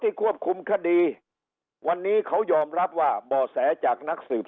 ควบคุมคดีวันนี้เขายอมรับว่าบ่อแสจากนักสืบ